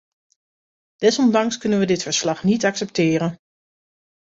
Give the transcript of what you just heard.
Desondanks kunnen we dit verslag niet accepteren.